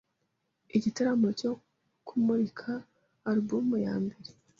igitaramo cyo kumurika album ya mbere